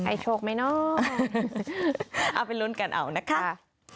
โชคไหมเนาะเอาไปลุ้นกันเอานะคะ